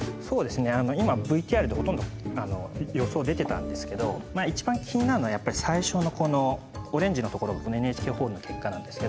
今、ＶＴＲで、ほとんど予想出ていたんですけども一番気になるのは最初のオレンジのところのＮＨＫホールの結果です。